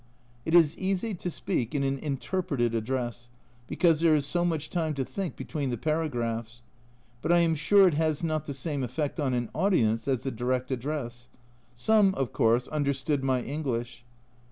It is easy to speak in an interpreted address, because there is so much time to think between the paragraphs ; but I am sure it has not the same effect on an audience as the direct address. Some, of course, understood my English.